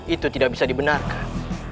itu tidak bisa dibenarkan